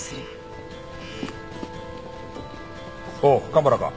おう蒲原か。